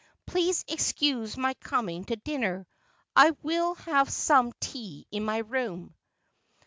Please excuse my coming to dmuer. I will have some tea in my room.'